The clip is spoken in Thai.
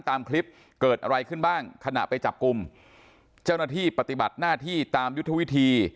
ตามคลิปเกิดอะไรขึ้นบ้างขณะไปจับกลุ่มเจ้าหน้าที่ปฏิบัติหน้าที่ตามยุทธวิธี